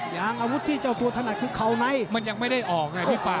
อาวุธที่เจ้าตัวถนัดคือเขาในมันยังไม่ได้ออกไงพี่ป่า